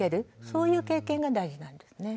そういう経験が大事なんですね。